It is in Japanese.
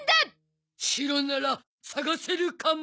シロなら捜せるかも。